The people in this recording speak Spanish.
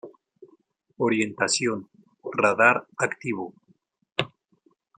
Orientación: Radar activo.